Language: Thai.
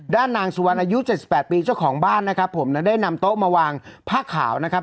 นางสุวรรณอายุ๗๘ปีเจ้าของบ้านนะครับผมนั้นได้นำโต๊ะมาวางผ้าขาวนะครับ